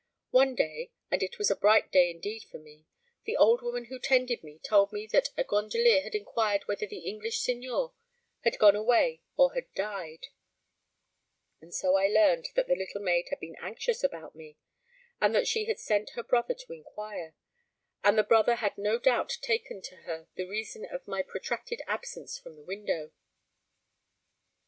One day and it was a bright day indeed for me the old woman who tended me told me that a gondolier had inquired whether the English signor had gone away or had died; and so I learnt that the little maid had been anxious about me, and that she had sent her brother to inquire, and the brother had no doubt taken to her the reason of my protracted absence from the window.